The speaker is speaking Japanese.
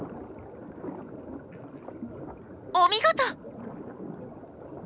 お見事！